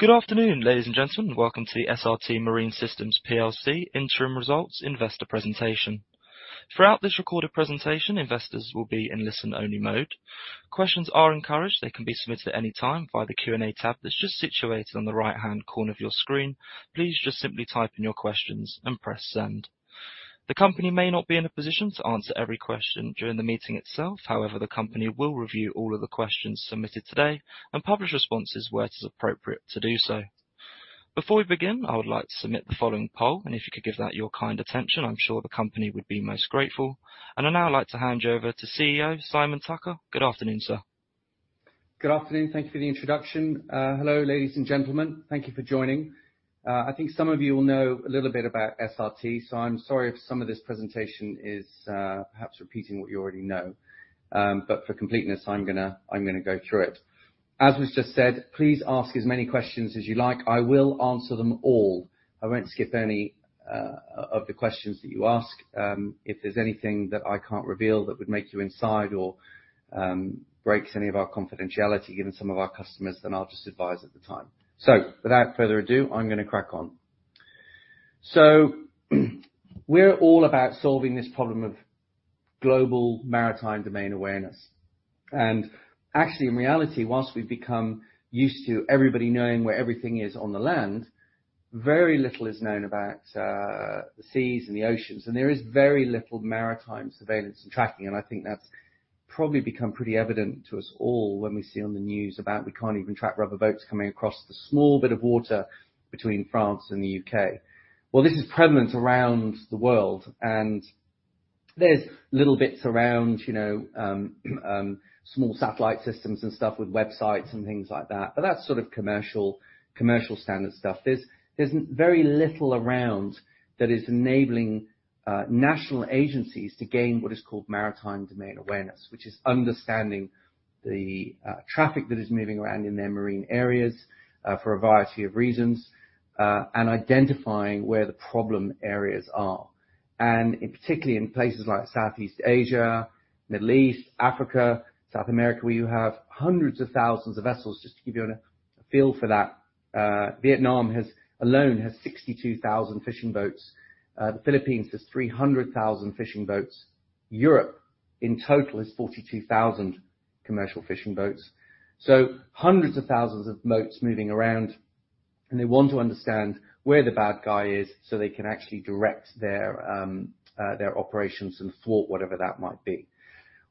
Good afternoon, ladies and gentlemen. Welcome to the SRT Marine Systems Plc Interim Results Investor Presentation. Throughout this recorded presentation, investors will be in listen-only mode. Questions are encouraged. They can be submitted at any time via the Q&A tab that's just situated on the right-hand corner of your screen. Please just simply type in your questions and press send. The company may not be in a position to answer every question during the meeting itself. However, the company will review all of the questions submitted today and publish responses where it is appropriate to do so. Before we begin, I would like to submit the following poll, and if you could give that your kind attention, I'm sure the company would be most grateful. I'd now like to hand you over to CEO Simon Tucker. Good afternoon, sir. Good afternoon. Thank you for the introduction. Hello, ladies and gentlemen. Thank you for joining. I think some of you will know a little bit about SRT, so I'm sorry if some of this presentation is perhaps repeating what you already know. But for completeness, I'm gonna go through it. As was just said, please ask as many questions as you like. I will answer them all. I won't skip any of the questions that you ask. If there's anything that I can't reveal that would make you insider or breaches any of our confidentiality, given some of our customers, then I'll just advise at the time. Without further ado, I'm gonna crack on. We're all about solving this problem of global maritime domain awareness. Actually, in reality, while we've become used to everybody knowing where everything is on the land, very little is known about the seas and the oceans, and there is very little maritime surveillance and tracking, and I think that's probably become pretty evident to us all when we see on the news about we can't even track rubber boats coming across the small bit of water between France and the U.K. Well, this is prevalent around the world, and there's little bits around, you know, small satellite systems and stuff with websites and things like that, but that's sort of commercial standard stuff. There's very little around that is enabling national agencies to gain what is called maritime domain awareness, which is understanding the traffic that is moving around in their marine areas for a variety of reasons and identifying where the problem areas are. In particular, in places like Southeast Asia, Middle East, Africa, South America, where you have hundreds of thousands of vessels. Just to give you a feel for that, Vietnam alone has 62 fishing boats. The Philippines has 300,000 fishing boats. Europe in total has 42 commercial fishing boats. So hundreds of thousands of boats moving around, and they want to understand where the bad guy is, so they can actually direct their operations and thwart whatever that might be.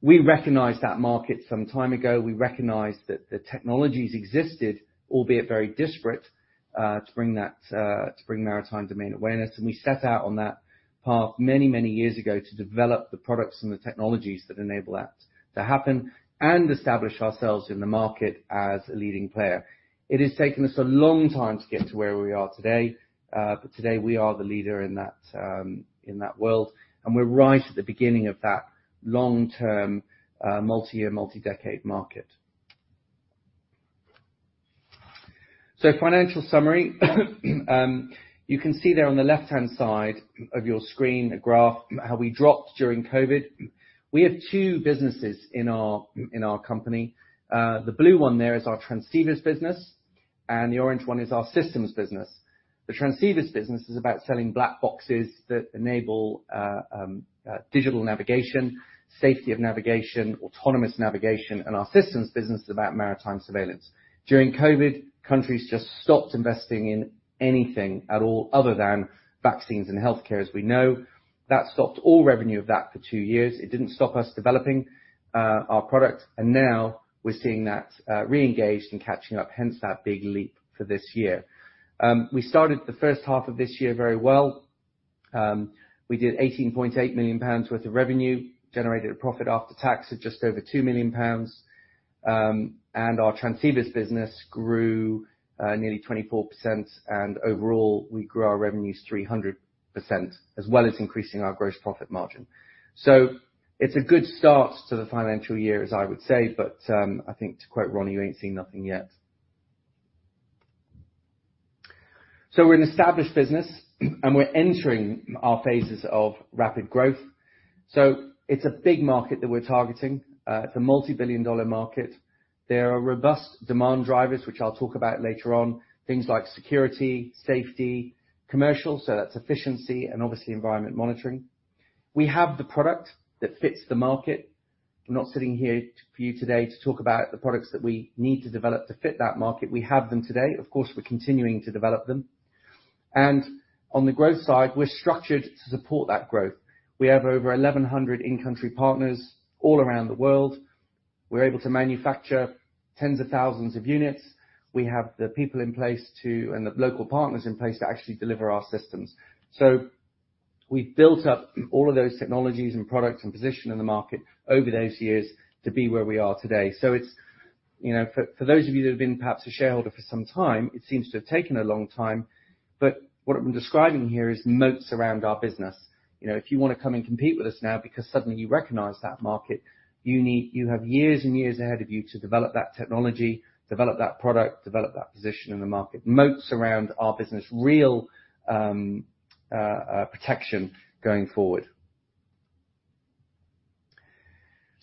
We recognized that market some time ago. We recognized that the technologies existed, albeit very disparate, to bring that, to bring maritime domain awareness, and we set out on that path many, many years ago to develop the products and the technologies that enable that to happen and establish ourselves in the market as a leading player. It has taken us a long time to get to where we are today. Today we are the leader in that, in that world, and we're right at the beginning of that long-term, multi-year, multi-decade market. Financial summary. You can see there on the left-hand side of your screen a graph, how we dropped during COVID. We have two businesses in our company. The blue one there is our transceivers business, and the orange one is our systems business. The transceivers business is about selling black boxes that enable digital navigation, safety of navigation, autonomous navigation, and our systems business is about maritime surveillance. During COVID, countries just stopped investing in anything at all other than vaccines and healthcare, as we know. That stopped all revenue of that for two years. It didn't stop us developing our product, and now we're seeing that re-engaged and catching up, hence that big leap for this year. We started the first half of this year very well. We did 18.8 million pounds worth of revenue, generated a profit after tax of just over 2 million pounds. Our transceivers business grew nearly 24%, and overall, we grew our revenues 300%, as well as increasing our gross profit margin. It's a good start to the financial year, as I would say, but I think to quote Ronnie, "You ain't seen nothing yet." We're an established business, and we're entering our phases of rapid growth. It's a big market that we're targeting. It's a multi-billion dollar market. There are robust demand drivers, which I'll talk about later on. Things like security, safety, commercial, so that's efficiency, and obviously environment monitoring. We have the product that fits the market. I'm not sitting here for you today to talk about the products that we need to develop to fit that market. We have them today. Of course, we're continuing to develop them. On the growth side, we're structured to support that growth. We have over 1,100 in-country partners all around the world. We're able to manufacture tens of thousands of units. We have the people in place and the local partners in place to actually deliver our systems. We've built up all of those technologies and products and position in the market over those years to be where we are today. It's, you know, for those of you that have been perhaps a shareholder for some time, it seems to have taken a long time. What I'm describing here is moats around our business. You know, if you wanna come and compete with us now because suddenly you recognize that market, you have years and years ahead of you to develop that technology, develop that product, develop that position in the market. Moats around our business. Real protection going forward.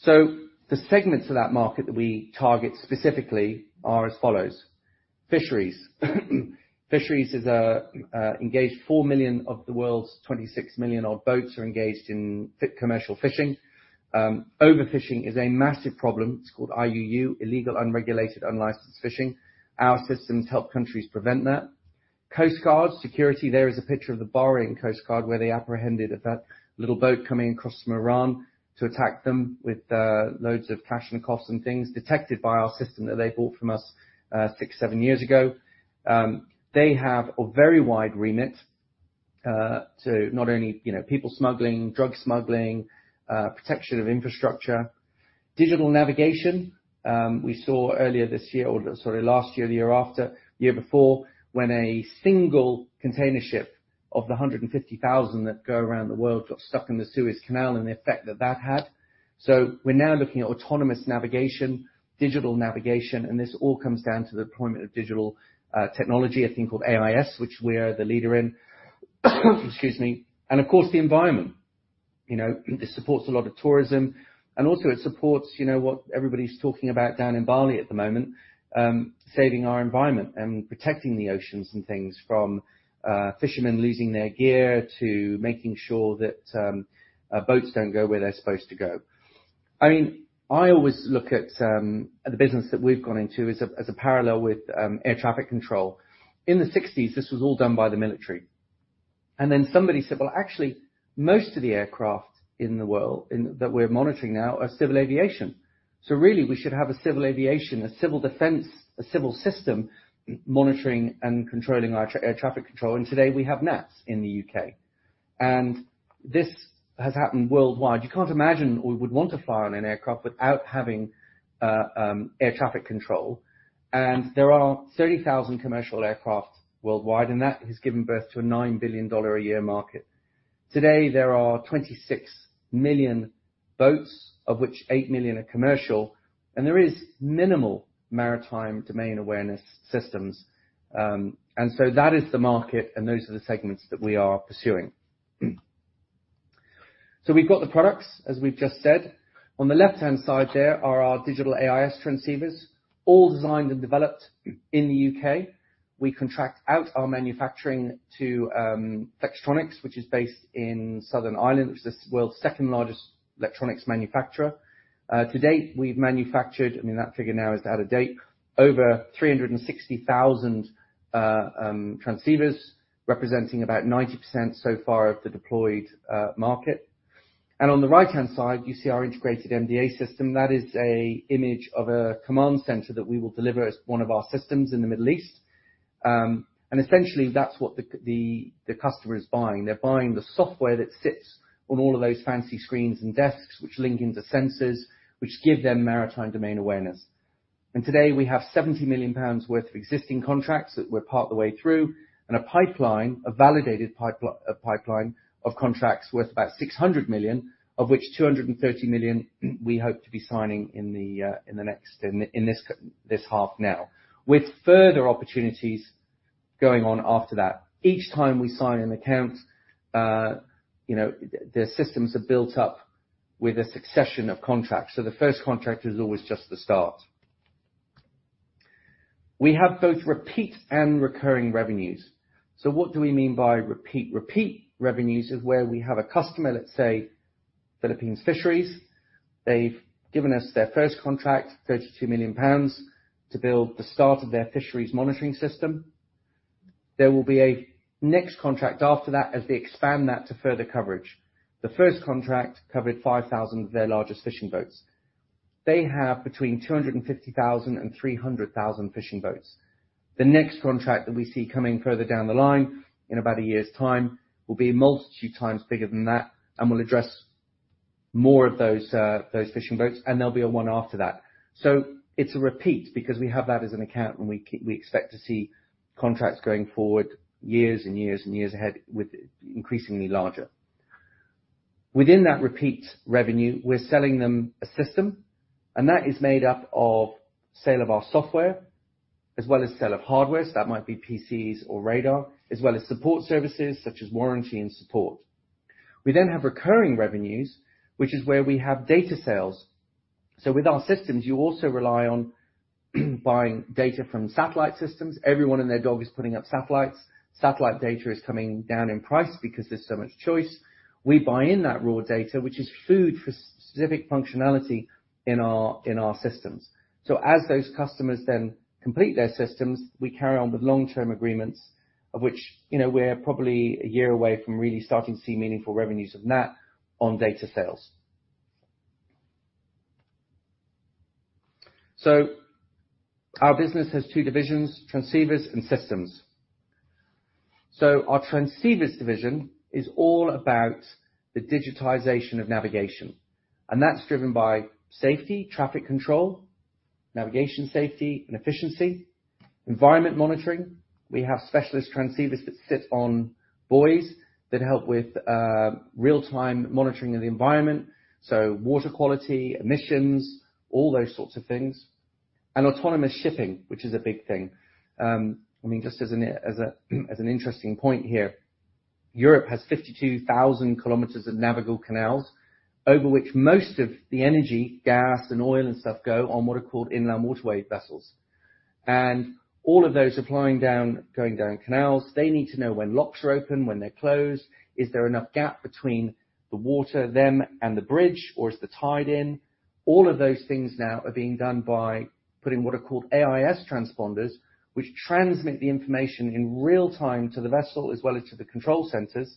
The segments of that market that we target specifically are as follows. Fisheries. Fisheries is engaged 4 million of the world's 26 million odd boats are engaged in commercial fishing. Overfishing is a massive problem. It's called IUU, illegal, unregulated, unlicensed fishing. Our systems help countries prevent that. Coast guard, security, there is a picture of the Bahrain Coast Guard, where they apprehended that little boat coming across from Iran to attack them with loads of Kalashnikovs and things, detected by our system that they bought from us six, seven years ago. They have a very wide remit to not only, you know, people smuggling, drug smuggling, protection of infrastructure. Digital navigation, we saw earlier this year or sorry, last year, the year after, year before, when a single container ship of the 150,000 that go around the world got stuck in the Suez Canal and the effect that that had. We're now looking at autonomous navigation, digital navigation, and this all comes down to the deployment of digital technology, a thing called AIS, which we're the leader in. Excuse me. Of course, the environment. You know, it supports a lot of tourism, and also it supports, you know, what everybody's talking about down in Bali at the moment, saving our environment and protecting the oceans and things from fishermen losing their gear to making sure that boats don't go where they're supposed to go. I mean, I always look at the business that we've gone into as a parallel with air traffic control. In the sixties, this was all done by the military. Then somebody said, "Well, actually, most of the aircraft in the world that we're monitoring now are civil aviation. Really, we should have a civil aviation, a civil defense, a civil system monitoring and controlling our air traffic control." Today we have NATS in the U.K. This has happened worldwide. You can't imagine we would want to fly on an aircraft without having air traffic control. There are 30,000 commercial aircraft worldwide, and that has given birth to a GBP 9 billion a year market. Today, there are 26 million boats, of which 8 million are commercial, and there is minimal maritime domain awareness systems. That is the market, and those are the segments that we are pursuing. We've got the products, as we've just said. On the left-hand side there are our digital AIS transceivers, all designed and developed in the U.K. We contract out our manufacturing to Flextronics, which is based in southern Ireland, which is the world's second largest electronics manufacturer. To date, we've manufactured, I mean, that figure now is out of date, over 360,000 transceivers, representing about 90% so far of the deployed market. On the right-hand side, you see our integrated MDA system. That is an image of a command center that we will deliver as one of our systems in the Middle East. Essentially, that's what the customer is buying. They're buying the software that sits on all of those fancy screens and desks which link into sensors, which give them maritime domain awareness. Today, we have 70 million pounds worth of existing contracts that we're part of the way through, and a pipeline, a validated pipeline of contracts worth about 600 million, of which 230 million we hope to be signing in the next, in this half now, with further opportunities going on after that. Each time we sign an account, you know, the systems are built up with a succession of contracts. The first contract is always just the start. We have both repeat and recurring revenues. What do we mean by repeat? Repeat revenues is where we have a customer, let's say, Philippines Fisheries. They've given us their first contract, 32 million pounds, to build the start of their fisheries monitoring system. There will be a next contract after that as they expand that to further coverage. The first contract covered 5,000 of their largest fishing boats. They have between 250,000 and 300,000 fishing boats. The next contract that we see coming further down the line in about a year's time will be a multitude times bigger than that and will address more of those fishing boats, and there'll be one after that. It's a repeat because we have that as an account, and we expect to see contracts going forward years and years and years ahead with increasingly larger. Within that repeat revenue, we're selling them a system, and that is made up of sale of our software, as well as sale of hardware. That might be PCs or radar, as well as support services such as warranty and support. We then have recurring revenues, which is where we have data sales. With our systems, you also rely on buying data from satellite systems. Everyone and their dog is putting up satellites. Satellite data is coming down in price because there's so much choice. We buy in that raw data, which is food for specific functionality in our systems. As those customers then complete their systems, we carry on with long-term agreements, of which, you know, we're probably a year away from really starting to see meaningful revenues of that on data sales. Our business has two divisions, transceivers and systems. Our transceivers division is all about the digitization of navigation, and that's driven by safety, traffic control, navigation safety and efficiency, environment monitoring. We have specialist transceivers that sit on buoys that help with real-time monitoring of the environment, so water quality, emissions, all those sorts of things. Autonomous shipping, which is a big thing. I mean, just as an interesting point here. Europe has 52,000 km of navigable canals, over which most of the energy, gas and oil and stuff go on what are called inland waterway vessels. All of those are flying down, going down canals, they need to know when locks are open, when they're closed, is there enough gap between the water, them, and the bridge, or is the tide in. All of those things now are being done by putting what are called AIS transponders, which transmit the information in real time to the vessel as well as to the control centers,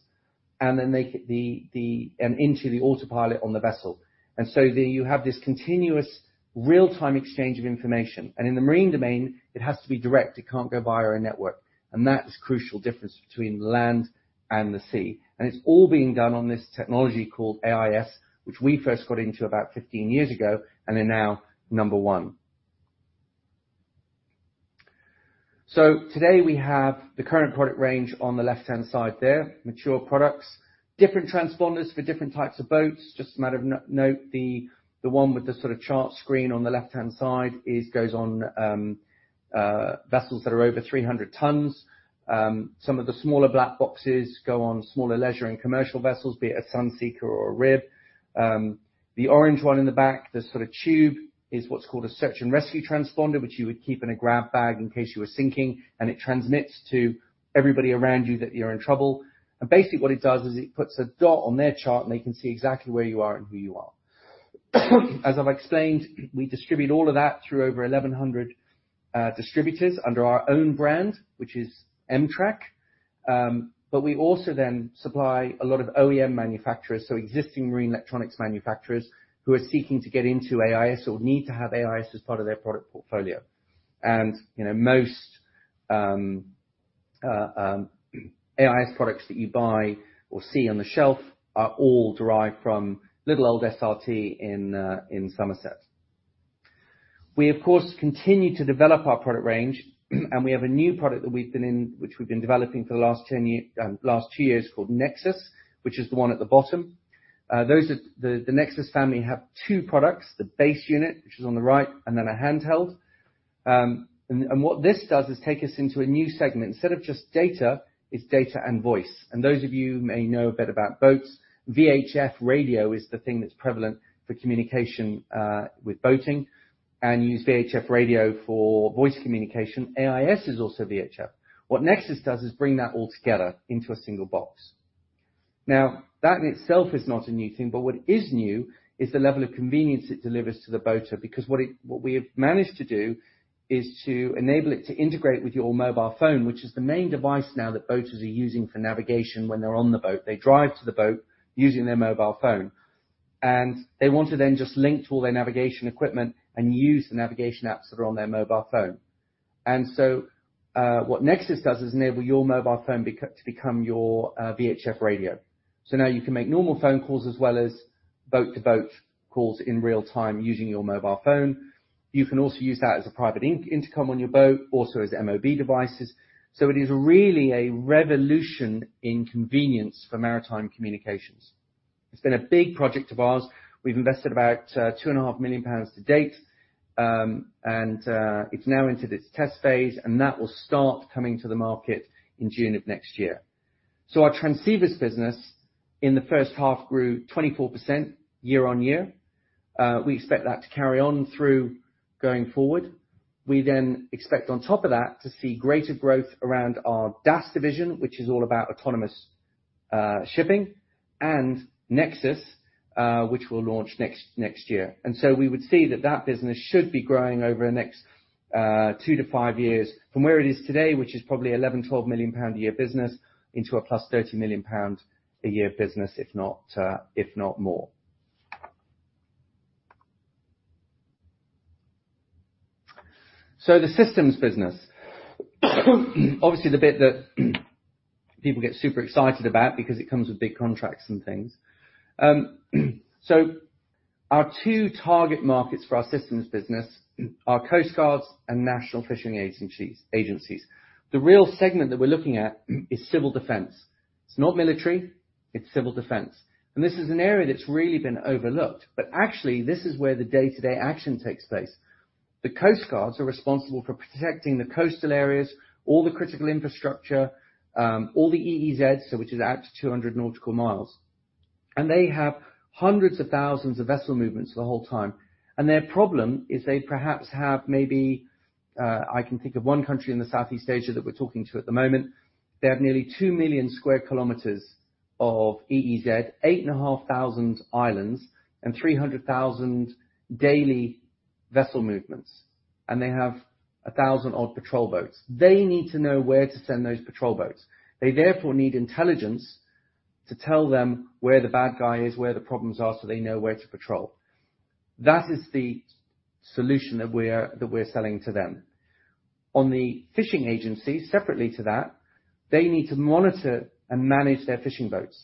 and then make it into the autopilot on the vessel. You have this continuous real-time exchange of information. In the marine domain, it has to be direct. It can't go via a network. That's crucial difference between land and the sea. It's all being done on this technology called AIS, which we first got into about 15 years ago and are now number one. Today we have the current product range on the left-hand side there, mature products. Different transponders for different types of boats. Just a matter of note, the one with the sort of chart screen on the left-hand side goes on vessels that are over 300 tons. Some of the smaller black boxes go on smaller leisure and commercial vessels, be it a Sunseeker or a RIB. The orange one in the back, the sort of tube, is what's called a search and rescue transponder, which you would keep in a grab bag in case you were sinking, and it transmits to everybody around you that you're in trouble. Basically, what it does is it puts a dot on their chart, and they can see exactly where you are and who you are. As I've explained, we distribute all of that through over 1,100 distributors under our own brand, which is em-trak. We also then supply a lot of OEM manufacturers, so existing marine electronics manufacturers who are seeking to get into AIS or need to have AIS as part of their product portfolio. You know, most AIS products that you buy or see on the shelf are all derived from little old SRT in Somerset. We, of course, continue to develop our product range, and we have a new product that we've been developing for the last two years, called NEXUS, which is the one at the bottom. The NEXUS family have two products, the base unit, which is on the right, and then a handheld. What this does is take us into a new segment. Instead of just data, it's data and voice. Those of you who may know a bit about boats, VHF radio is the thing that's prevalent for communication with boating, and you use VHF radio for voice communication. AIS is also VHF. What NEXUS does is bring that all together into a single box. Now, that in itself is not a new thing, but what is new is the level of convenience it delivers to the boater. Because what we have managed to do is to enable it to integrate with your mobile phone, which is the main device now that boaters are using for navigation when they're on the boat. They drive to the boat using their mobile phone. They want to then just link to all their navigation equipment and use the navigation apps that are on their mobile phone. What NEXUS does is enable your mobile phone to become your VHF radio. Now you can make normal phone calls as well as boat-to-boat calls in real time using your mobile phone. You can also use that as a private intercom on your boat, also as MOB devices. It is really a revolution in convenience for maritime communications. It's been a big project of ours. We've invested about 2.5 million pounds to date. It's now into this test phase, and that will start coming to the market in June of next year. Our transceivers business in the first half grew 24% year-on-year. We expect that to carry on through going forward. We expect on top of that to see greater growth around our DAS division, which is all about autonomous shipping, and NEXUS, which we'll launch next year. We would see that business should be growing over the next two to five years from where it is today, which is probably 11 million- 12 million pound a year business, into a +30 million pound a year business, if not more. The systems business, obviously the bit that people get super excited about because it comes with big contracts and things. Our two target markets for our systems business are coast guards and national fishing agencies. The real segment that we're looking at is civil defense. It's not military, it's civil defense. This is an area that's really been overlooked. This is where the day-to-day action takes place. The coast guards are responsible for protecting the coastal areas, all the critical infrastructure, all the EEZ, which is out to 200 nautical miles. They have hundreds of thousands of vessel movements the whole time. Their problem is they perhaps have maybe, I can think of one country in the Southeast Asia that we're talking to at the moment. They have nearly 2 million square kilometers of EEZ, 8,500 islands and 300,000 daily vessel movements. They have a thousand odd patrol boats. They need to know where to send those patrol boats. They therefore need intelligence to tell them where the bad guy is, where the problems are, so they know where to patrol. That is the solution that we're selling to them. On the fishing agency, separately to that, they need to monitor and manage their fishing boats.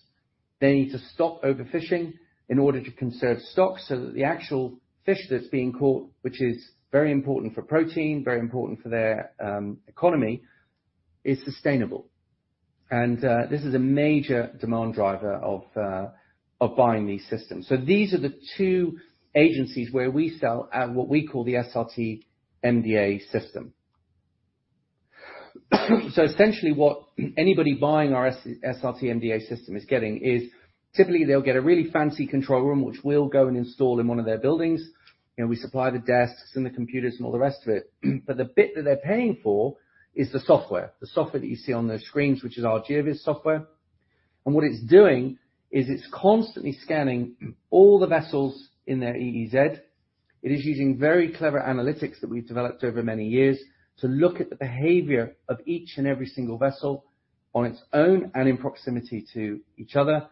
They need to stop overfishing in order to conserve stock so that the actual fish that's being caught, which is very important for protein, very important for their economy, is sustainable. This is a major demand driver of buying these systems. These are the two agencies where we sell to what we call the SRT-MDA system. Essentially what anybody buying our SRT-MDA system is getting is typically they'll get a really fancy control room, which we'll go and install in one of their buildings. We supply the desks and the computers and all the rest of it. The bit that they're paying for is the software, the software that you see on the screens, which is our GeoVS software. What it's doing is it's constantly scanning all the vessels in their EEZ. It is using very clever analytics that we've developed over many years to look at the behavior of each and every single vessel on its own and in proximity to each other,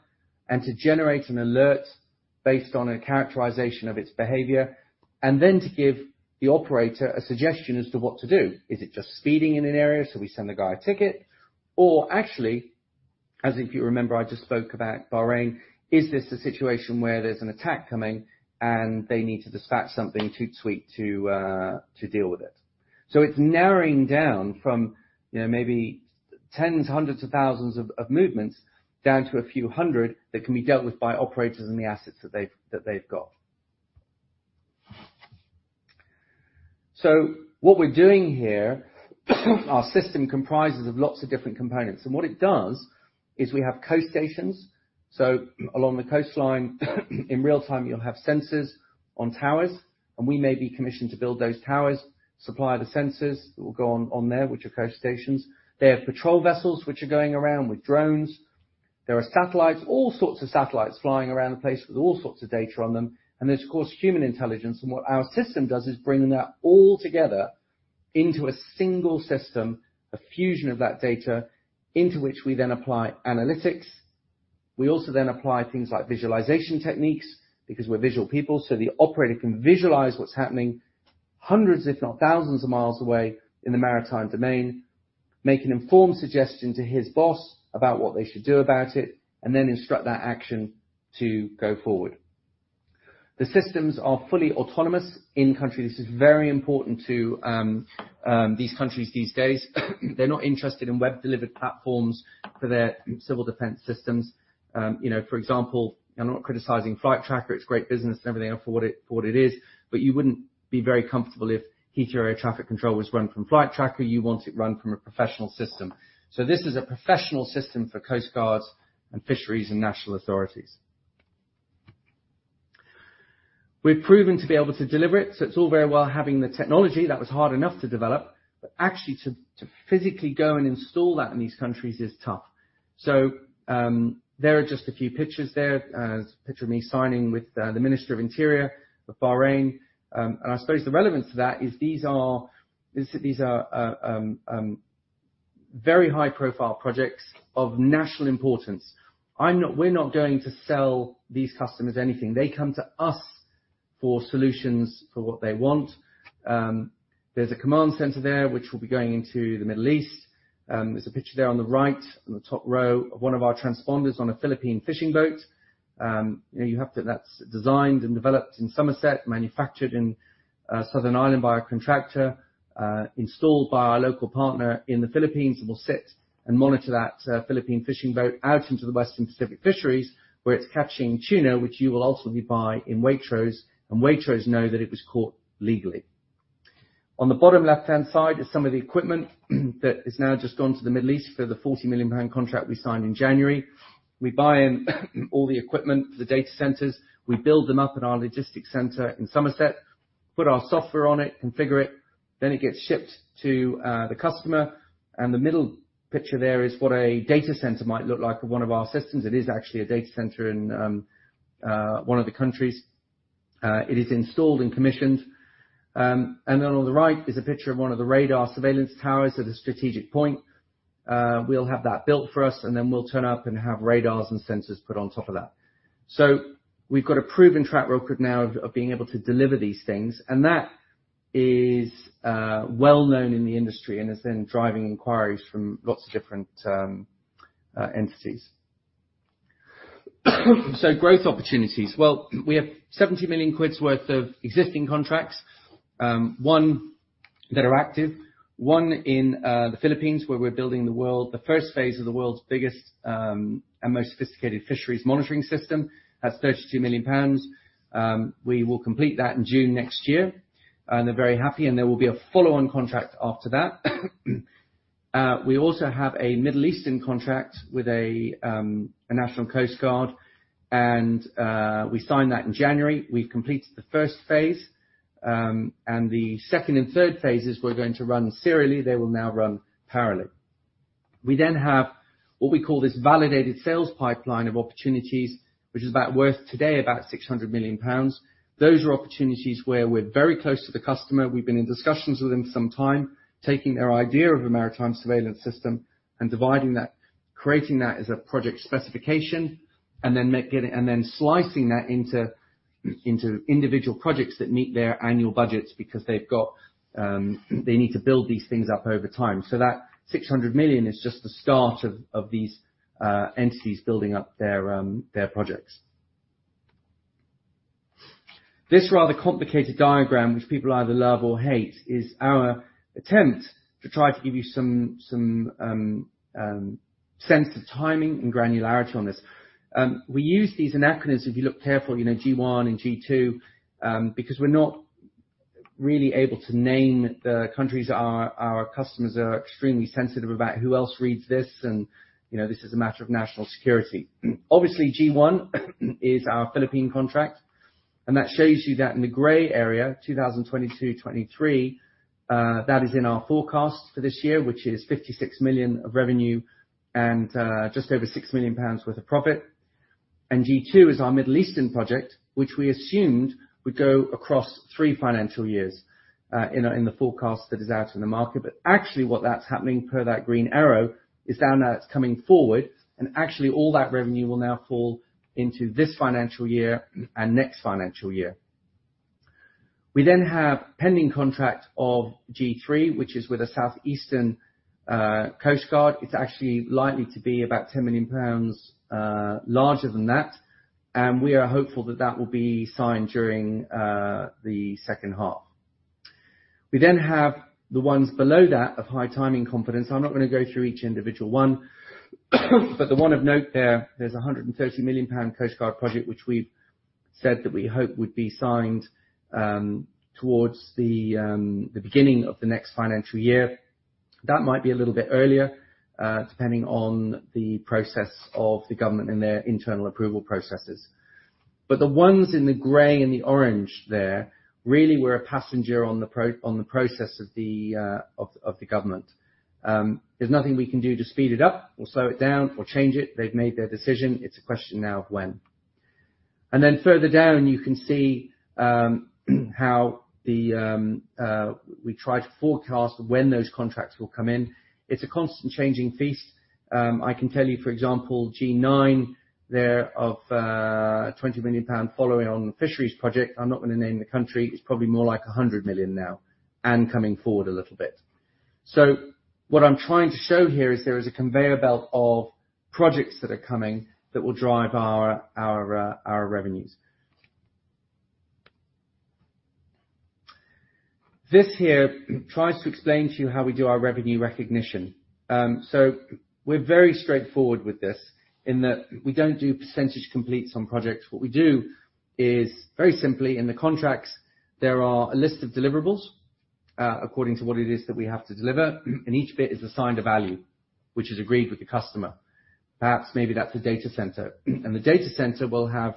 and to generate an alert based on a characterization of its behavior, and then to give the operator a suggestion as to what to do. Is it just speeding in an area so we send the guy a ticket, actually, as if you remember, I just spoke about Bahrain, is this a situation where there's an attack coming and they need to dispatch something tout de suite to deal with it. It's narrowing down from, you know, maybe tens, hundreds of thousands of movements, down to a few hundred that can be dealt with by operators and the assets that they've got. What we're doing here, our system comprises of lots of different components. What it does is we have coast stations, so along the coastline in real-time, you'll have sensors on towers, and we may be commissioned to build those towers, supply the sensors that will go on there, which are coast stations. They have patrol vessels which are going around with drones. There are satellites, all sorts of satellites flying around the place with all sorts of data on them. There's, of course, human intelligence. What our system does is bring that all together into a single system, a fusion of that data into which we then apply analytics. We also apply things like visualization techniques because we're visual people, so the operator can visualize what's happening hundreds if not thousands of miles away in the maritime domain, make an informed suggestion to his boss about what they should do about it, and then instruct that action to go forward. The systems are fully autonomous in countries. It's very important to these countries these days. They're not interested in web-delivered platforms for their civil defense systems. You know, for example, I'm not criticizing Flightradar24. It's great business and everything else for what it is. You wouldn't be very comfortable if Heathrow traffic control was run from Flightradar24. You want it run from a professional system. This is a professional system for coast guards and fisheries and national authorities. We've proven to be able to deliver it, so it's all very well having the technology that was hard enough to develop, but actually physically go and install that in these countries is tough. There are just a few pictures there. There's a picture of me signing with the Minister of Interior of Bahrain. I suppose the relevance to that is these are very high-profile projects of national importance. We're not going to sell these customers anything. They come to us for solutions for what they want. There's a command center there which will be going into the Middle East. There's a picture there on the right on the top row of one of our transponders on a Philippine fishing boat. You know, that's designed and developed in Somerset, manufactured in southern Ireland by a contractor, installed by our local partner in the Philippines, and will sit and monitor that Philippine fishing boat out into the western Pacific fisheries, where it's catching tuna, which you will ultimately buy in Waitrose. Waitrose know that it was caught legally. On the bottom left-hand side is some of the equipment that has now just gone to the Middle East for the 40 million pound contract we signed in January. We buy in all the equipment for the data centers. We build them up at our logistics center in Somerset, put our software on it, configure it, then it gets shipped to the customer. The middle picture there is what a data center might look like for one of our systems. It is actually a data center in one of the countries. It is installed and commissioned. Then on the right is a picture of one of the radar surveillance towers at a strategic point. We'll have that built for us, and then we'll turn up and have radars and sensors put on top of that. We've got a proven track record now of being able to deliver these things, and that is well-known in the industry and is then driving inquiries from lots of different entities. Growth opportunities. Well, we have 70 million worth of existing contracts, one that are active, one in the Philippines, where we're building the world's first phase of the world's biggest and most sophisticated fisheries monitoring system. That's 32 million pounds. We will complete that in June next year. They're very happy, and there will be a follow-on contract after that. We also have a Middle Eastern contract with a national coast guard, and we signed that in January. We've completed the first phase, and the second and third phases were going to run serially. They will now run parallel. We then have what we call this validated sales pipeline of opportunities, which is about worth today about 600 million pounds. Those are opportunities where we're very close to the customer. We've been in discussions with them for some time, taking their idea of a maritime surveillance system and dividing that, creating that as a project specification, and then make getting. Then slicing that into individual projects that meet their annual budgets because they've got, they need to build these things up over time. That 600 million is just the start of these entities building up their projects. This rather complicated diagram, which people either love or hate, is our attempt to try to give you some sense of timing and granularity on this. We use these anachronisms, if you look carefully, you know, G1 and G2, because we're not really able to name the countries. Our customers are extremely sensitive about who else reads this, and, you know, this is a matter of national security. Obviously, G1 is our Philippine contract, and that shows you that in the gray area, 2022-2023, that is in our forecast for this year, which is 56 million of revenue and just over 6 million pounds worth of profit. G2 is our Middle Eastern project, which we assumed would go across three financial years in the forecast that is out in the market. Actually, what's happening per that green arrow is down there, it's coming forward and actually all that revenue will now fall into this financial year and next financial year. We then have pending contract of G3, which is with the Southeastern Coast Guard. It's actually likely to be about 10 million pounds larger than that, and we are hopeful that that will be signed during the second half. We then have the ones below that of high timing confidence. I'm not gonna go through each individual one but the one of note there's a 130 million pound Coast Guard project, which we've said that we hope would be signed, towards the beginning of the next financial year. That might be a little bit earlier, depending on the process of the government and their internal approval processes. The ones in the gray and the orange there really were a passenger on the process of the government. There's nothing we can do to speed it up or slow it down or change it. They've made their decision. It's a question now of when. Further down you can see how we try to forecast when those contracts will come in. It's a constant changing feast. I can tell you, for example, G9 there of 20 million pound following on the Fisheries project, I'm not gonna name the country. It's probably more like 100 million now and coming forward a little bit. What I'm trying to show here is there is a conveyor belt of projects that are coming that will drive our revenues. This here tries to explain to you how we do our revenue recognition. We're very straightforward with this in that we don't do percentage completes on projects. What we do is very simply in the contracts, there are a list of deliverables according to what it is that we have to deliver, and each bit is assigned a value which is agreed with the customer. Perhaps maybe that's a data center. The data center will have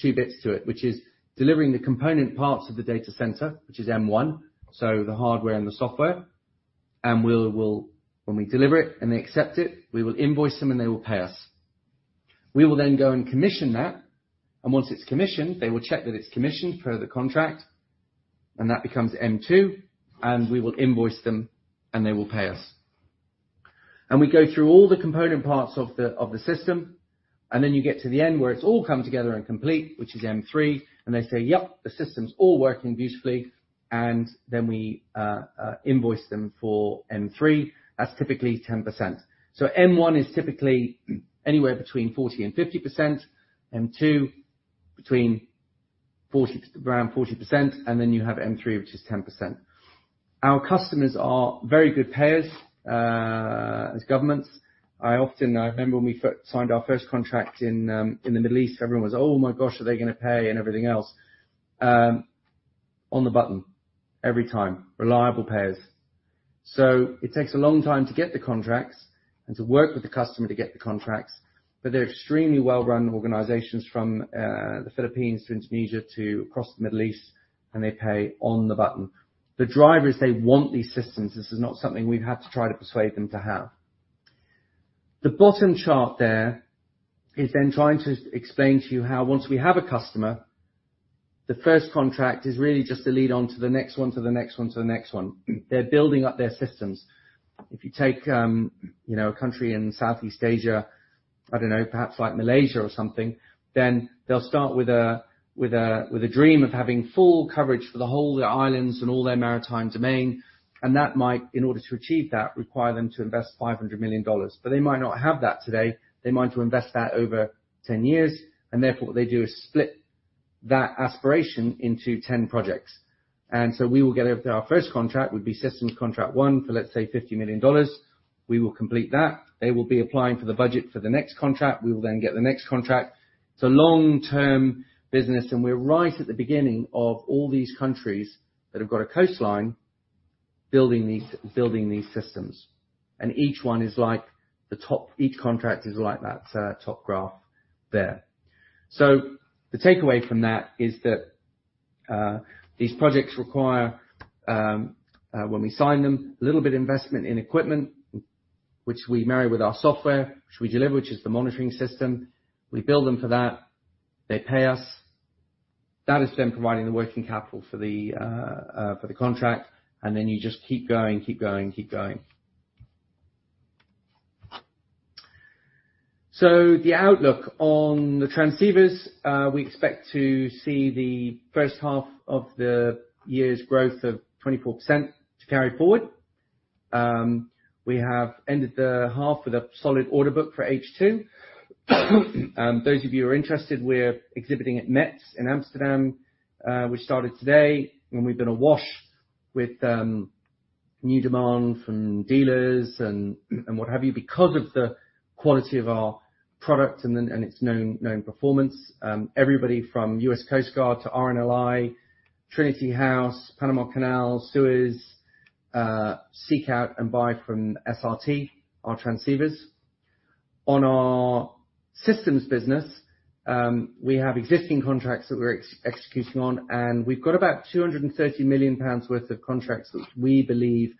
two bits to it, which is delivering the component parts of the data center, which is M1, so the hardware and the software. When we deliver it and they accept it, we will invoice them, and they will pay us. We will then go and commission that, and once it's commissioned, they will check that it's commissioned per the contract, and that becomes M2, and we will invoice them, and they will pay us. We go through all the component parts of the system, and then you get to the end where it's all come together and complete, which is M3, and they say, "Yep, the system's all working beautifully." Then we invoice them for M3. That's typically 10%. M1 is typically anywhere between 40%-50%. M2 between around 40%. Then you have M3, which is 10%. Our customers are very good payers as governments. I remember when we first signed our first contract in the Middle East, everyone was, "Oh, my gosh, are they gonna pay?" And everything else on the button every time. Reliable payers. It takes a long time to get the contracts and to work with the customer to get the contracts, but they're extremely well-run organizations from the Philippines to Indonesia to across the Middle East, and they pay on the button. The drivers, they want these systems. This is not something we've had to try to persuade them to have. The bottom chart there is then trying to explain to you how once we have a customer, the first contract is really just a lead on to the next one, to the next one, to the next one. They're building up their systems. If you take, you know, a country in Southeast Asia, I don't know, perhaps like Malaysia or something, then they'll start with a dream of having full coverage for the whole islands and all their maritime domain. That might, in order to achieve that, require them to invest $500 million. They might not have that today. They might have to invest that over 10 years, and therefore, what they do is split that aspiration into 10 projects. We will get over to our first contract, would be systems contract one for let's say $50 million. We will complete that. They will be applying for the budget for the next contract. We will then get the next contract. It's a long-term business, and we're right at the beginning of all these countries that have got a coastline building these systems. Each contract is like that top graph there. The takeaway from that is that these projects require, when we sign them, a little bit of investment in equipment which we marry with our software, which we deliver, which is the monitoring system. We bill them for that. They pay us. That is then providing the working capital for the contract. You just keep going. The outlook on the transceivers, we expect to see the first half of the year's growth of 24% to carry forward. We have ended the half with a solid order book for H2. Those of you who are interested, we're exhibiting at METS in Amsterdam, which started today, and we've been awash with new demand from dealers and what have you, because of the quality of our product and its known performance. Everybody from U.S. Coast Guard to RNLI, Trinity House, Panama Canal, Suez seek out and buy from SRT, our transceivers. On our systems business, we have existing contracts that we're executing on, and we've got about 230 million pounds worth of contracts, which we believe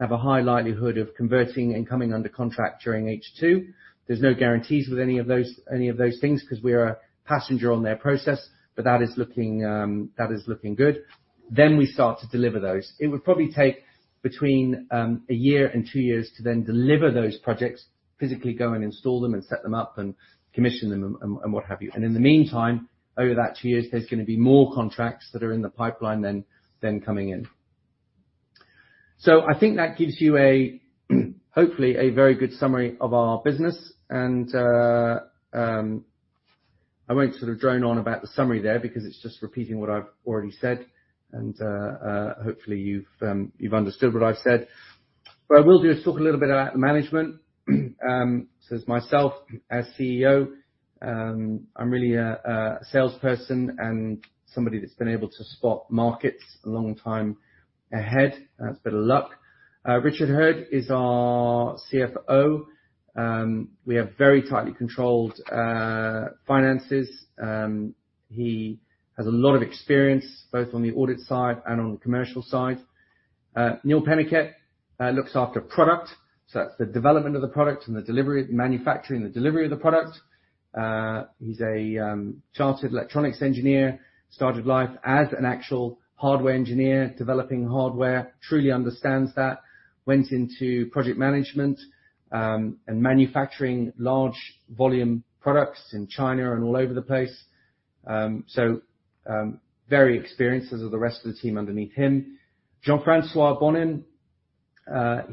have a high likelihood of converting and coming under contract during H2. There's no guarantees with any of those things, 'cause we are a passenger on their process, but that is looking good. We start to deliver those. It would probably take between one year and two years to then deliver those projects, physically go and install them and set them up and commission them and what have you. In the meantime, over that two years, there's gonna be more contracts that are in the pipeline than coming in. I think that gives you hopefully a very good summary of our business and I won't sort of drone on about the summary there because it's just repeating what I've already said and hopefully you've understood what I said. What I will do is talk a little bit about the management. It's myself as CEO. I'm really a salesperson and somebody that's been able to spot markets a long time ahead. It's a bit of luck. Richard Hurd is our CFO. We have very tightly controlled finances. He has a lot of experience, both on the audit side and on the commercial side. Neil Peniket looks after product. That's the development of the product and the delivery, manufacturing, the delivery of the product. He's a chartered electronics engineer, started life as an actual hardware engineer, developing hardware, truly understands that. Went into project management and manufacturing large volume products in China and all over the place. Very experienced, as are the rest of the team underneath him. Jean-François Bonnin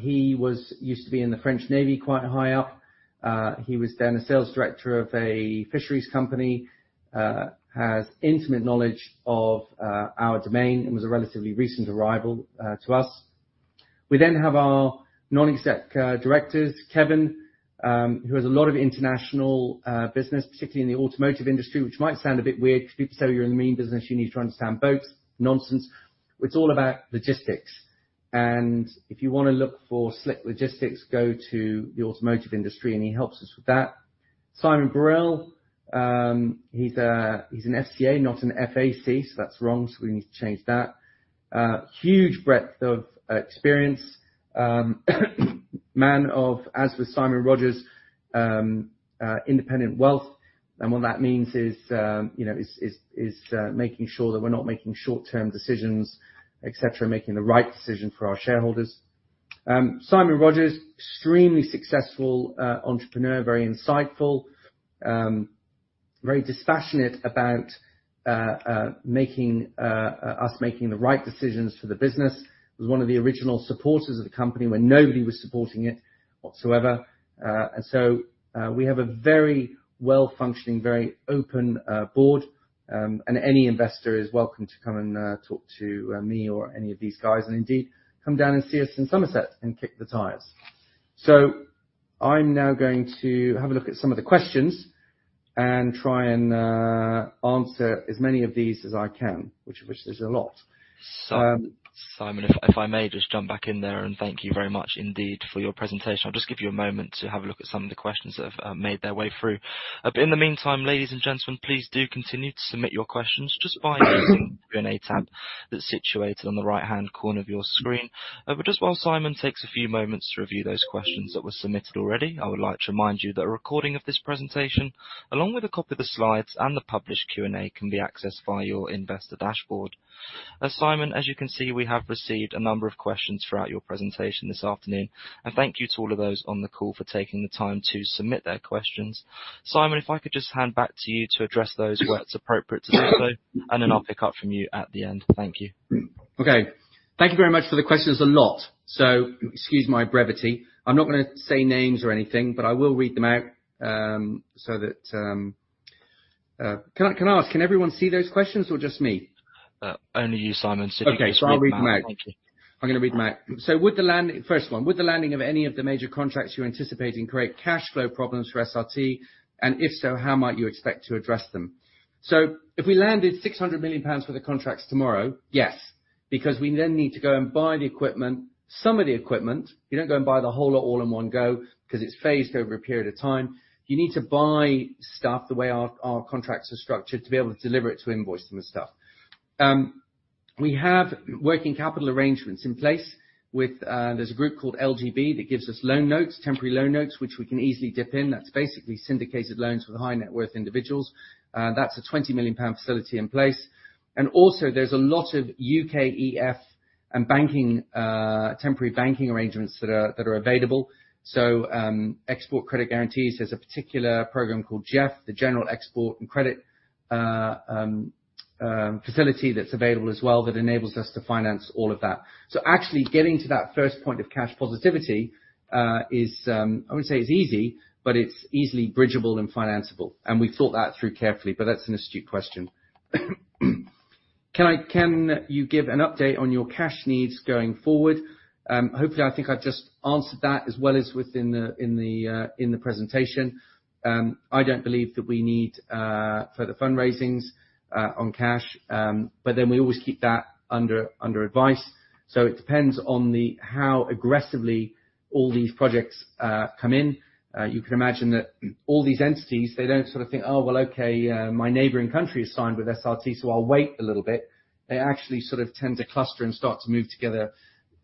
used to be in the French Navy, quite high up. He was then a sales director of a fisheries company, has intimate knowledge of our domain and was a relatively recent arrival to us. We have our non-exec directors, Kevin, who has a lot of international business, particularly in the automotive industry, which might sound a bit weird. People say, "Well, you're in the marine business, you need to understand boats." Nonsense. It's all about logistics. If you wanna look for slick logistics, go to the automotive industry, and he helps us with that. Simon Barrell, he's an FCA, not an FAC, so that's wrong, so we need to change that. Huge breadth of experience. Man of, as with Simon Rogers, independent wealth. What that means is, you know, making sure that we're not making short-term decisions, et cetera, making the right decision for our shareholders. Simon Rogers, extremely successful entrepreneur, very insightful, very dispassionate about us making the right decisions for the business. Was one of the original supporters of the company when nobody was supporting it whatsoever. We have a very well-functioning, very open board, and any investor is welcome to come and talk to me or any of these guys, and indeed, come down and see us in Somerset and kick the tires. I'm now going to have a look at some of the questions and try and answer as many of these as I can, which is a lot. Simon, if I may just jump back in there, and thank you very much indeed for your presentation. I'll just give you a moment to have a look at some of the questions that have made their way through. In the meantime, ladies and gentlemen, please do continue to submit your questions just by using the Q&A tab that's situated on the right-hand corner of your screen. Just while Simon takes a few moments to review those questions that were submitted already, I would like to remind you that a recording of this presentation, along with a copy of the slides and the published Q&A, can be accessed via your Investor dashboard. Simon, as you can see, we have received a number of questions throughout your presentation this afternoon. Thank you to all of those on the call for taking the time to submit their questions. Simon, if I could just hand back to you to address those where it's appropriate to do so, and then I'll pick up from you at the end. Thank you. Okay. Thank you very much for the questions. There's a lot, so excuse my brevity. I'm not gonna say names or anything, but I will read them out, so that. Can I ask, can everyone see those questions or just me? Only you, Simon, so you can just read them out. Thank you. Okay. I'll read them out. First one: Would the landing of any of the major contracts you're anticipating create cash flow problems for SRT? If so, how might you expect to address them? If we landed 600 million pounds worth of contracts tomorrow, yes, because we then need to go and buy the equipment, some of the equipment. We don't go and buy the whole lot all in one go, 'cause it's phased over a period of time. You need to buy stuff the way our contracts are structured to be able to deliver it, to invoice them and stuff. We have working capital arrangements in place with, there's a group called LGB that gives us loan notes, temporary loan notes, which we can easily dip in. That's basically syndicated loans with high net worth individuals. That's a 20 million pound facility in place. There's a lot of UKEF and banking temporary banking arrangements that are available. Export credit guarantees. There's a particular program called GEF, the General Export Facility, that's available as well that enables us to finance all of that. Actually getting to that first point of cash positivity is, I wouldn't say it's easy, but it's easily bridgeable and financeable. We've thought that through carefully, but that's an astute question. Can you give an update on your cash needs going forward? Hopefully, I think I just answered that as well as within the presentation. I don't believe that we need further fundraisings on cash. We always keep that under advisement. It depends on how aggressively all these projects come in. You can imagine that all these entities, they don't sort of think, "Oh, well, okay, my neighboring country has signed with SRT, so I'll wait a little bit." They actually sort of tend to cluster and start to move together.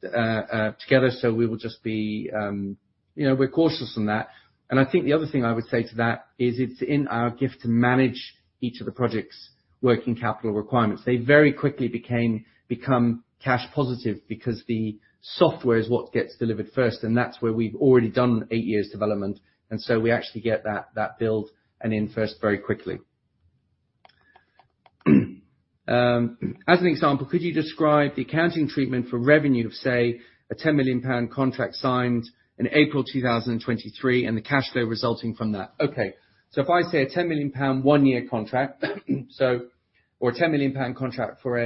We will just be, you know, we're cautious on that. I think the other thing I would say to that is it's in our gift to manage each of the projects' working capital requirements. They very quickly become cash positive because the software is what gets delivered first, and that's where we've already done eight years development. We actually get that build-in first very quickly. As an example, could you describe the accounting treatment for revenue of, say, a 10 million pound contract signed in April 2023 and the cash flow resulting from that? Okay, if I say a 10 million pound one-year contract. Or a 10 million pound contract for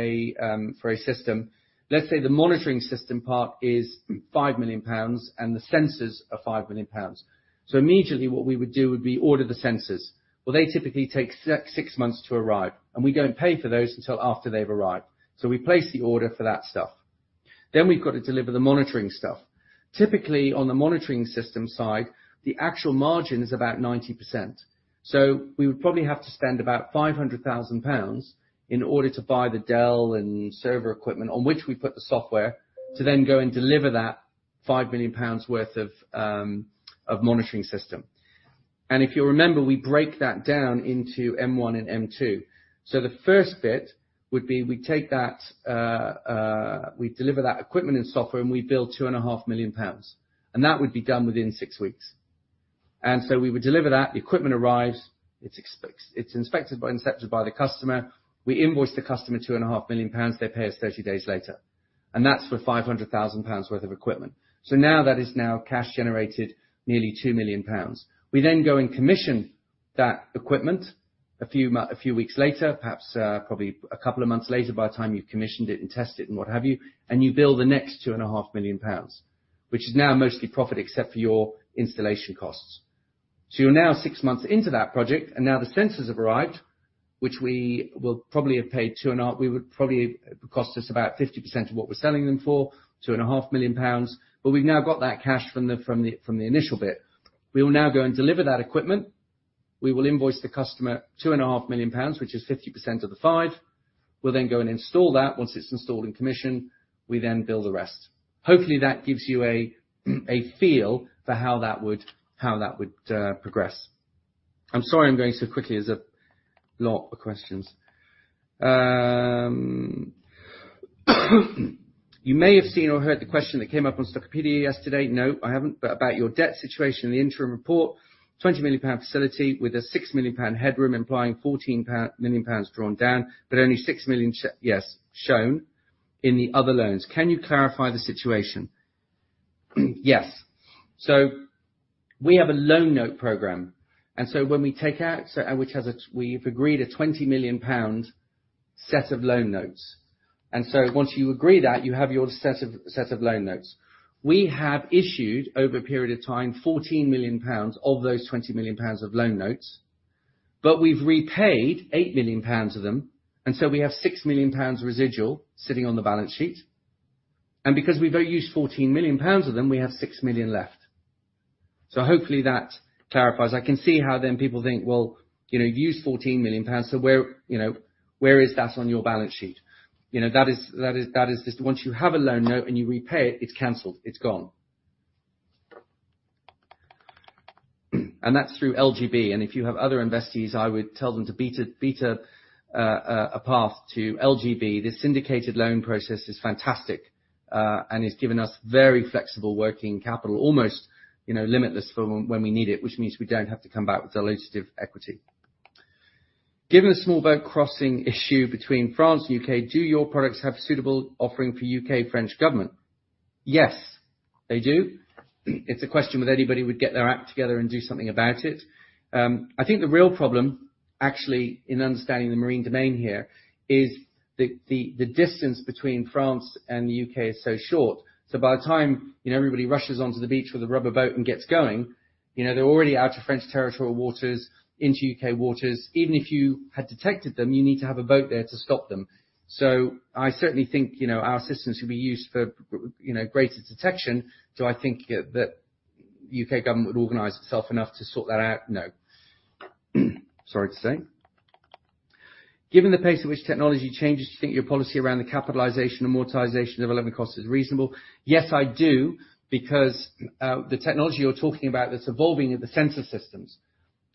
a system, let's say the monitoring system part is 5 million pounds and the sensors are 5 million pounds. Immediately what we would do would be order the sensors. Well, they typically take six months to arrive, and we don't pay for those until after they've arrived. We place the order for that stuff. Then we've got to deliver the monitoring stuff. Typically, on the monitoring system side, the actual margin is about 90%. We would probably have to spend about 500,000 pounds in order to buy the Dell and server equipment on which we put the software to then go and deliver that 5 million pounds worth of monitoring system. If you remember, we break that down into M1 and M2. The first bit would be we take that, we deliver that equipment and software, and we bill 2.5 million pounds, and that would be done within six weeks. We would deliver that. The equipment arrives. It's inspected by the customer. We invoice the customer 2.5 million pounds. They pay us 30 days later. That's for 500,000 pounds worth of equipment. Now that is now cash generated nearly 2 million pounds. We go and commission that equipment a few weeks later, perhaps, probably a couple of months later by the time you've commissioned it and tested and what have you, and you bill the next 2.5 million pounds, which is now mostly profit except for your installation costs. You're now six months into that project, and now the sensors have arrived, which would cost us about 50% of what we're selling them for, 2.5 million pounds. We've now got that cash from the initial bit. We will now go and deliver that equipment. We will invoice the customer 2.5 million pounds, which is 50% of the 5 million. We'll then go and install that. Once it's installed and commissioned, we then bill the rest. Hopefully, that gives you a feel for how that would progress. I'm sorry I'm going so quickly. There's a lot of questions. You may have seen or heard the question that came up on Stockopedia yesterday. No, I haven't. But about your debt situation in the interim report, 20 million pound facility with a 6 million pound headroom implying 14 million pounds drawn down, but only 6 million, yes, shown in the other loans. Can you clarify the situation? Yes. We have a loan note program. When we take out, we've agreed a 20 million pound set of loan notes. Once you agree that, you have your set of loan notes. We have issued, over a period of time, 14 million pounds of those 20 million pounds of loan notes, but we've repaid 8 million pounds of them. We have 6 million residual sitting on the balance sheet. Because we've used 14 million pounds of them, we have 6 million left. Hopefully that clarifies. I can see how then people think, "Well, you know, you used 14 million pounds, so where, you know, where is that on your balance sheet?" You know, that is just once you have a loan note and you repay it's canceled, it's gone. That's through LGB. If you have other investees, I would tell them to beat a path to LGB. This syndicated loan process is fantastic and has given us very flexible working capital, almost, you know, limitless for when we need it, which means we don't have to come back with dilutive equity. Given the small boat crossing issue between France and the U.K., do your products have suitable offering for the U.K. and French governments? Yes, they do. It's a question of whether anybody would get their act together and do something about it. I think the real problem, actually, in understanding the maritime domain here is the distance between France and the U.K. is so short. By the time, you know, everybody rushes onto the beach with a rubber boat and gets going, you know, they're already out of French territorial waters into U.K. waters. Even if you had detected them, you need to have a boat there to stop them. I certainly think, you know, our systems could be used for, you know, greater detection. Do I think that U.K. government would organize itself enough to sort that out? No. Sorry to say. Given the pace at which technology changes, do you think your policy around the capitalization and amortization of development costs is reasonable? Yes, I do, because the technology you're talking about that's evolving are the sensor systems.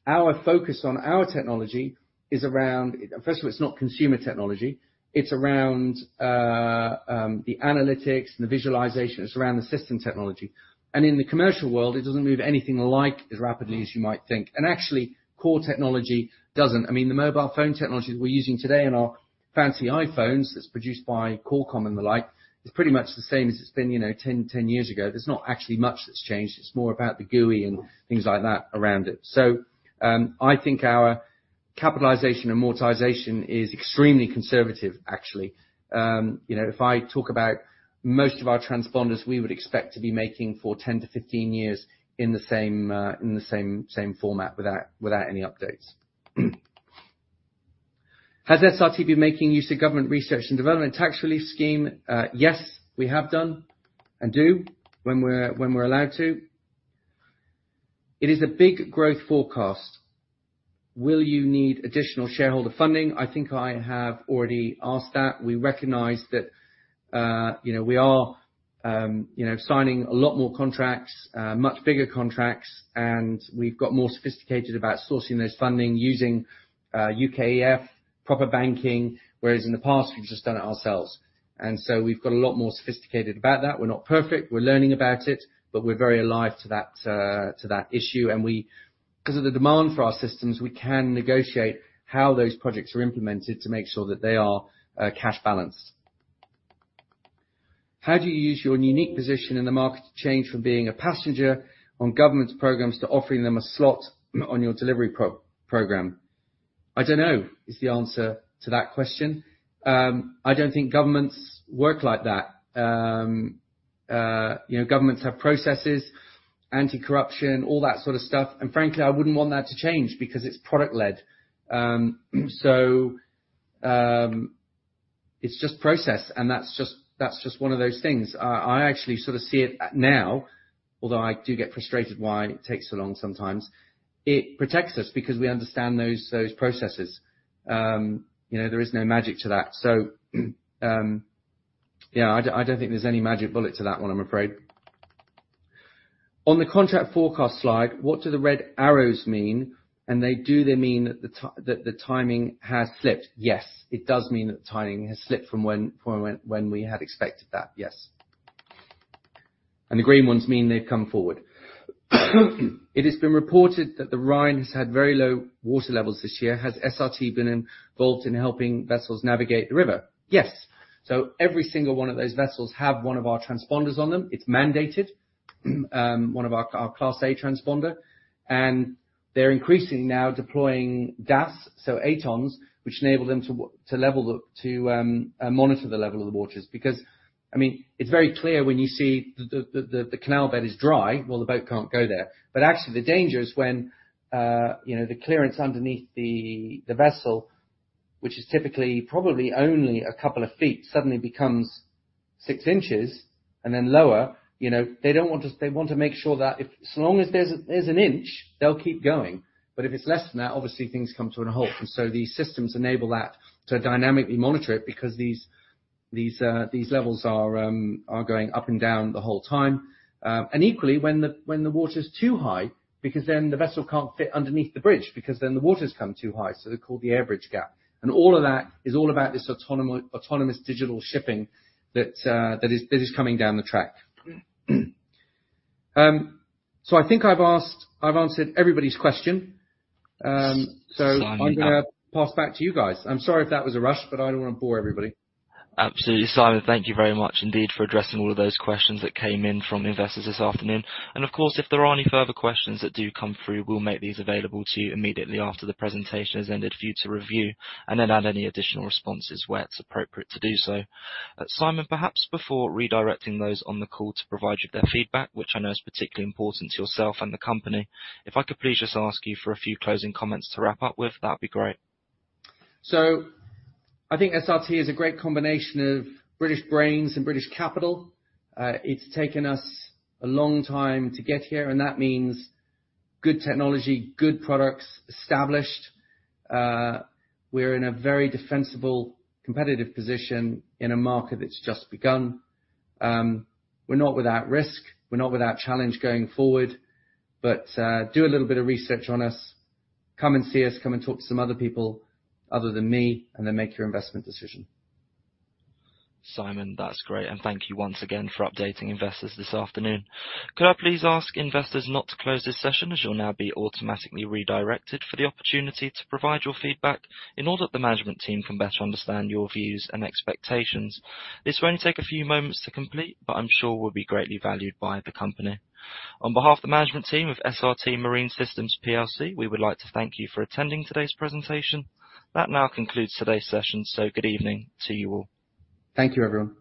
Our focus on our technology is around. First of all, it's not consumer technology. It's around the analytics and the visualization. It's around the system technology. In the commercial world, it doesn't move anything like as rapidly as you might think. Actually, core technology doesn't. I mean, the mobile phone technologies we're using today in our fancy iPhones that's produced by Qualcomm and the like, is pretty much the same as it's been, you know, 10 years ago. There's not actually much that's changed. It's more about the GUI and things like that around it. I think our capitalization amortization is extremely conservative actually. You know, if I talk about most of our transponders, we would expect to be making for 10-15 years in the same format without any updates. Has SRT been making use of government research and development tax relief scheme? Yes, we have done and do when we're allowed to. It is a big growth forecast. Will you need additional shareholder funding? I think I have already asked that. We recognize that, you know, we are, you know, signing a lot more contracts, much bigger contracts, and we've got more sophisticated about sourcing the funding using, UKEF, proper banking, whereas in the past, we've just done it ourselves. We've got a lot more sophisticated about that. We're not perfect. We're learning about it, but we're very alive to that issue. 'Cause of the demand for our systems, we can negotiate how those projects are implemented to make sure that they are, cash balanced. How do you use your unique position in the market to change from being a passenger on government programs to offering them a slot on your delivery program? I don't know is the answer to that question. I don't think governments work like that. You know, governments have processes, anti-corruption, all that sort of stuff, and frankly, I wouldn't want that to change because it's product led. So, it's just process, and that's just one of those things. I actually sort of see it as now, although I do get frustrated why it takes so long sometimes, it protects us because we understand those processes. You know, there is no magic to that. Yeah, I don't think there's any magic bullet to that one, I'm afraid. On the contract forecast slide, what do the red arrows mean? Do they mean that the timing has slipped? Yes. It does mean that the timing has slipped from when we had expected that, yes. The green ones mean they've come forward. It has been reported that the Rhine has had very low water levels this year. Has SRT been involved in helping vessels navigate the river? Yes. Every single one of those vessels have one of our transponders on them. It's mandated, one of our Class A transponder. They're increasingly now deploying DAS, so AtoN, which enable them to monitor the level of the waters. Because, I mean, it's very clear when you see the canal bed is dry, well, the boat can't go there. Actually the danger is when, you know, the clearance underneath the vessel, which is typically probably only a couple of feet, suddenly becomes 6 in and then lower. You know, they want to make sure that if so long as there's an inch, they'll keep going. If it's less than that, obviously things come to a halt. These systems enable that to dynamically monitor it because these levels are going up and down the whole time. Equally, when the water's too high, because then the vessel can't fit underneath the bridge because then the water's come too high. They're called the air bridge gap. All of that is all about this autonomous digital shipping that is coming down the track. I think I've answered everybody's question. Simon- I'm gonna pass back to you guys. I'm sorry if that was a rush, but I don't wanna bore everybody. Absolutely. Simon, thank you very much indeed for addressing all of those questions that came in from investors this afternoon. Of course, if there are any further questions that do come through, we'll make these available to you immediately after the presentation has ended for you to review and then add any additional responses where it's appropriate to do so. Simon, perhaps before redirecting those on the call to provide you their feedback, which I know is particularly important to yourself and the company, if I could please just ask you for a few closing comments to wrap up with, that'd be great. I think SRT is a great combination of British brains and British capital. It's taken us a long time to get here, and that means good technology, good products established. We're in a very defensible, competitive position in a market that's just begun. We're not without risk, we're not without challenge going forward. Do a little bit of research on us. Come and see us, come and talk to some other people other than me, and then make your investment decision. Simon, that's great. Thank you once again for updating investors this afternoon. Could I please ask investors not to close this session, as you'll now be automatically redirected for the opportunity to provide your feedback in order that the management team can better understand your views and expectations. This will only take a few moments to complete, but I'm sure will be greatly valued by the company. On behalf of the management team of SRT Marine Systems Plc, we would like to thank you for attending today's presentation. That now concludes today's session. Good evening to you all. Thank you, everyone.